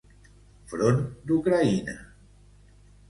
Front d'Ucraïna.